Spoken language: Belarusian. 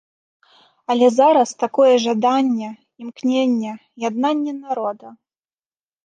Але зараз такое жаданне, імкненне, яднанне народа.